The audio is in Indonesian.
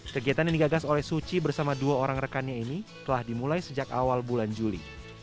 kegiatan yang digagas oleh suci bersama dua orang rekannya ini telah dimulai sejak awal bulan juli